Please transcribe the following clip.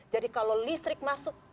jadi kalau listrik masuk